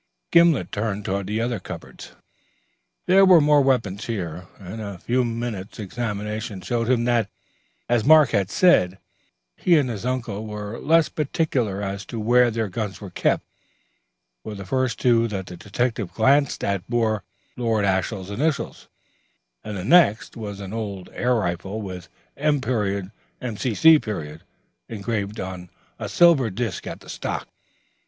Gimblet turned to the other cupboards. There were more weapons here, and a few minutes' examination showed him that, as Mark had said, he and his uncle were less particular as to where their guns were kept, for the first two that the detective glanced at bore Lord Ashiel's initial, and the next was an old air gun with M. McC. engraved on a silver disk at the stock.